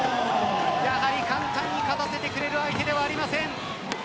やはり簡単に勝たせてくれる相手ではありません。